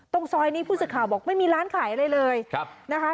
ตรงซอยนี้ผู้สื่อข่าวบอกไม่มีร้านขายอะไรเลยนะคะ